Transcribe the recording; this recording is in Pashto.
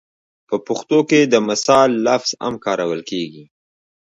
په پښتو کې د مثال لفظ هم کارول کېږي